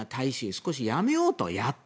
少しやめようと、やっと。